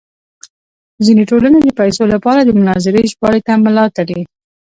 ځینې ټولنې د پیسو لپاره د مناظرې ژباړې ته ملا تړي.